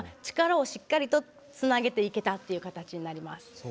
力をしっかりとつなげていけたという形になります。